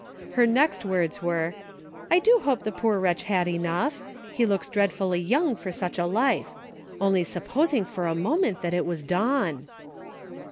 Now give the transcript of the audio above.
Her next words were :" I do hope the poor wretch had enough. He looks dreadfully young for such a life; only sup posing for a moment that it was Don